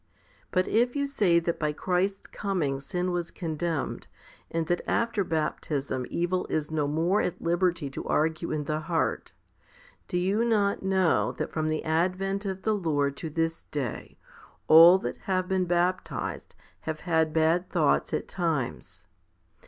3 But if you say that by Christ's coming sin was condemned, and that after baptism evil is no more at liberty to argue in the heart, do you not know that from the advent of the Lord to this day all that have been baptized have had bad thoughts at times?